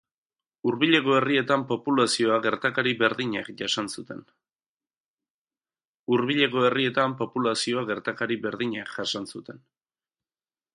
Hurbileko herrietan populazioa gertakari berdinak jasan zuten.